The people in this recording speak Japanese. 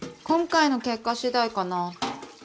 今回の結果しだいかな。